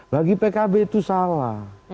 bagi pkb itu salah